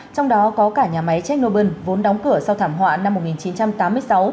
trong đó có cả nhà máy chernobyl vốn đóng cửa sau thảm họa năm một nghìn chín trăm tám mươi sáu